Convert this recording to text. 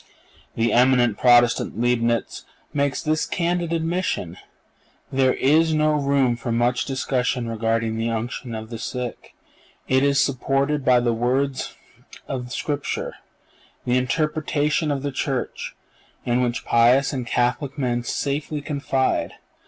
The eminent Protestant Leibnitz makes this candid admission: "There is no room for much discussion regarding the unction of the sick. It is supported by the words of Scripture, the interpretation of the Church, in which pious and Catholic men safely confide.